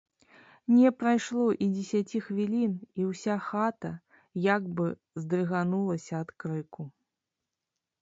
Не прайшло і дзесяці хвілін, і ўся хата як бы здрыганулася ад крыку.